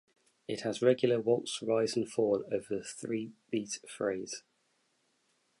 It has regular waltz rise and fall over the three beat phrase.